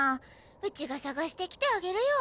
うちがさがしてきてあげるよ。